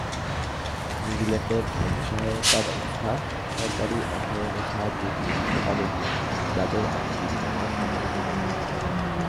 নিউজিল্যান্ডের আইনি সহায়তা ব্যবস্থা সরকারি অর্থায়নে সাহায্য দিয়ে থাকে তাদেরকে যাদের আইনজীবী নেয়ার সামর্থ্য নেই।